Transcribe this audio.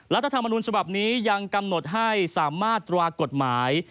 รัฐธรรมนุนฉบับนี้ยังกำหนดให้สามารถตรากฎหมาย